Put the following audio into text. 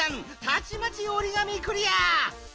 たちまちおりがみクリア！